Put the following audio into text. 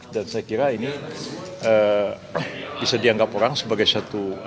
dan saya kira ini bisa dianggap orang sebagai satu